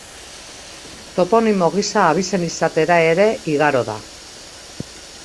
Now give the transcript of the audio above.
Toponimo gisa abizen izatera ere igaro da.